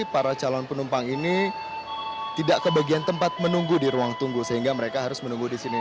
para calon penumpang ini tidak kebagian tempat menunggu di ruang tunggu sehingga mereka harus menunggu di sini